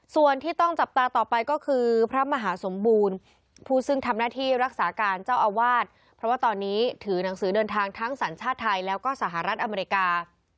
ส่วนที่ต้องจับตาต่อไปก็คือพระมหาสมบูรณ์ผู้ซึ่งทำหน้าที่รักษาการเจ้าอาวาสเพราะว่าตอนนี้ถือหนังสือเดินทางทั้งสัญชาติไทยแล้วก็สหรัฐอเมริกา